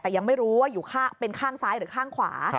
แต่ยังไม่รู้ว่าอยู่เป็นข้างซ้ายหรือข้างขวา